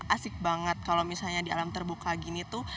asik banget kalau misalnya di alam terbuka gini tuh